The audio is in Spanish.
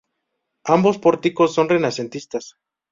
Ambos pórticos son renacentistas.